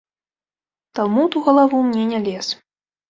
Талмуд у галаву мне не лез.